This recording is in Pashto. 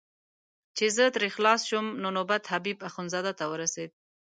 چې زه ترې خلاص شوم نو نوبت حبیب اخندزاده ته ورسېد.